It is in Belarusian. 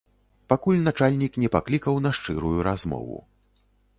Пакуль начальнік не паклікаў на шчырую размову.